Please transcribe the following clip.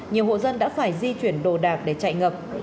nhiều hộ dân đã phải di chuyển đồ đạc để chạy ngập